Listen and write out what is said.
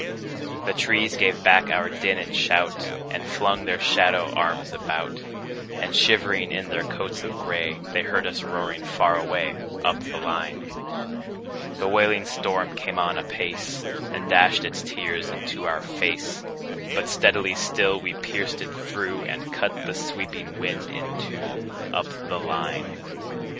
The trees gave back our din and shout, And flung their shadow arms about; And shivering in their coats of gray, They heard us roaring far away, Up the line. The wailing storm came on apace, And dashed its tears into our fade; But steadily still we pierced it through, And cut the sweeping wind in two, Up the line.